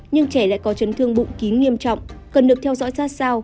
nhưng trẻ lại có chấn thương bụng kín nghiêm trọng cần được theo dõi sát sao